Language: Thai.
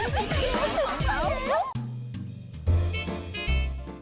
ว้าว